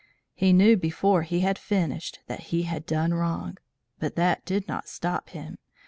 He knew before he had finished that he had done wrong, but that did not stop him.